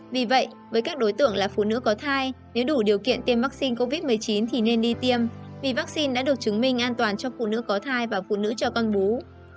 vì vậy với các đối tượng là phụ nữ có thai nếu đủ điều kiện tiêm vaccine covid một mươi chín thì nên đi tiêm vì vaccine đã được chứng minh an toàn cho phụ nữ có thai và phụ nữ cho con bú